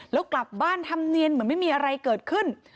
แล้วกลับบ้านทำเนียนเหมือนไม่มีอะไรเกิดขึ้น